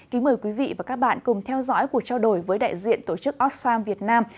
kính mời quý vị và các bạn cùng theo dõi cuộc trao đổi với đại diện tổ chức oxfam việt nam